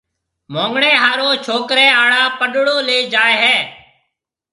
مونگڻيَ ھارو ڇوڪرَي آݪا پڏݪو ليَ جائي ھيََََ